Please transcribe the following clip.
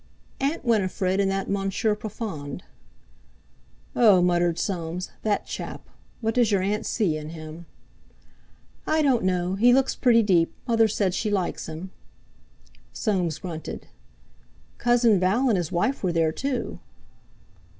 "Aunt Winifred, and that Monsieur Profond." "Oh!" muttered Soames; "that chap! What does your aunt see in him?" "I don't know. He looks pretty deep—mother says she likes him." Soames grunted. "Cousin Val and his wife were there, too."